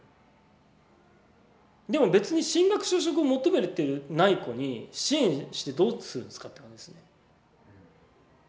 でも別に進学就職を求めてない子に支援してどうするんですかって感じですね。